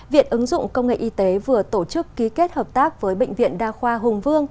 viện ứng dụng công nghệ y tế vừa tổ chức ký kết hợp tác với bệnh viện đa khoa hùng vương